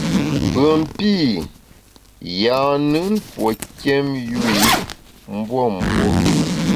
Pùen pî, yâ-nùn pue nkiém yu i mbuembue.